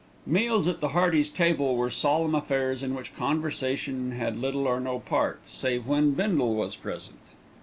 Meals at the Heartys' table were solemn affairs in which conversation had little or no part, save when Bindle was present.